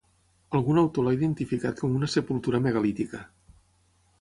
Algun autor l'ha identificat com una sepultura megalítica.